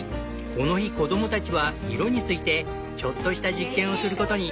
この日子供たちは「色」についてちょっとした実験をすることに。